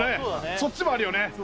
そっちもあるよね